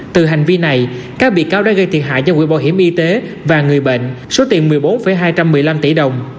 từ hành vi này các bị cáo đã gây thiệt hại cho quỹ bảo hiểm y tế và người bệnh số tiền một mươi bốn hai trăm một mươi năm tỷ đồng